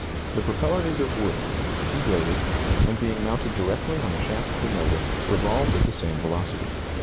The propeller is of wood, 2 bladed, and being mounted directly on the shaft of the motor, revolves at the same velocity.